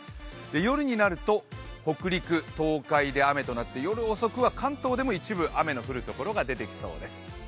夜になると、北陸、東海で雨となって夜遅くは関東でも一部、雨の降るところが出てきそうです。